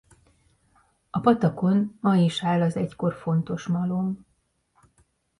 A patakon ma is áll az egykor fontos malom.